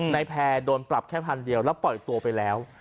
แพร่โดนปรับแค่พันเดียวแล้วปล่อยตัวไปแล้ว